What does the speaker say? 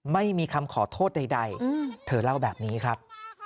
ไม่มีคำขอโทษใดเธอเล่าแบบนี้ครับ